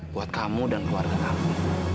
buat kamu dan keluarga kamu